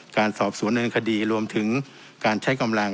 การสอบสวนในคดีรวมถึงการใช้กำลัง